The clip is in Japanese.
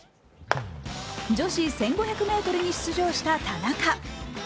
女子１５００ｍに出場した田中。